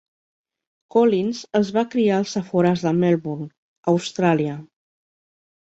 Collins es va criar als afores de Melbourne (Austràlia).